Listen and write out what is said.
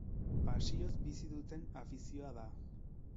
Pasioz bizi duten afizioa da.